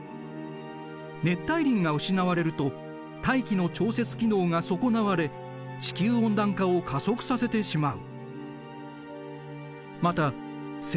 熱帯林が失われると大気の調節機能が損なわれ地球温暖化を加速させてしまう。